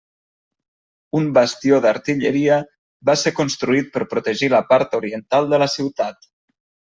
Un bastió d'artilleria va ser construït per protegir la part oriental de la ciutat.